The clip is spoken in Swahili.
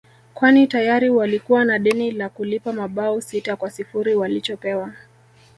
kwani tayari walikuwa na deni la kulipa mabao sita kwa sifuri walichopewa